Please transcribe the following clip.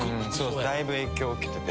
だいぶ影響受けてて。